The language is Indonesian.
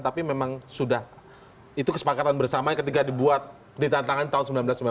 tapi memang sudah itu kesepakatan bersama ketika dibuat ditantangkan tahun seribu sembilan ratus sembilan puluh